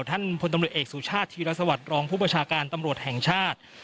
ท่านพลตำรวจเอกสุชาติธีรสวัสดิ์รองผู้ประชาการตำรวจแห่งชาติ